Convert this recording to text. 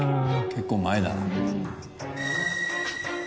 結構前だな。